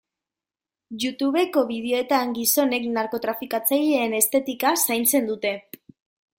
Youtubeko bideoetan gizonek narkotrafikatzaileen estetika zaintzen dute.